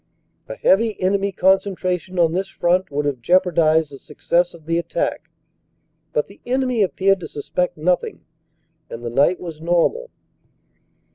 A heavy enemy con centration on this front would have jeopardized the success of the attack, but the enemy appeared to suspect nothing, and the night was normal.